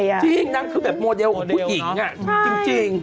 จริงนางคือแบบโมเดลของผู้หญิงจริง